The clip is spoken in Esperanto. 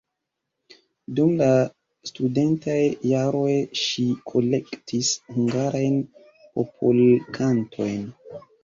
Dum la studentaj jaroj ŝi kolektis hungarajn popolkantojn.